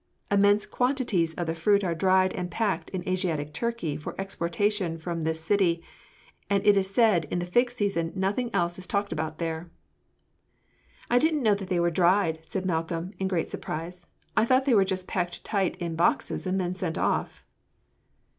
Immense quantities of the fruit are dried and packed in Asiatic Turkey for exportation from this city, and it is said that in the fig season nothing else is talked about there." "I didn't know that they were dried," said Malcolm, in great surprise; "I thought they were just packed tight in boxes and then sent off." [Illustration: LEAF AND FRUIT OF THE FIG TREE.